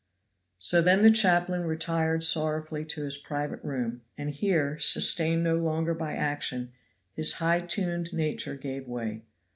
So then the chaplain retired sorrowfully to his private room, and here, sustained no longer by action, his high tuned nature gave way.